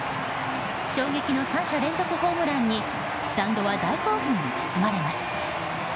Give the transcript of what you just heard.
衝撃の３者連続ホームランにスタンドは大興奮に包まれます。